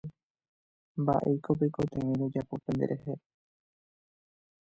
Mba'éiko peikotevẽ rojapo penderehe.